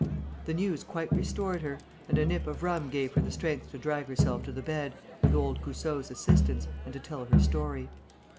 The news quite restored her; and a nip of rum gave her the strength to drag herself to the bed, with old Goussot's assistance, and to tell her story.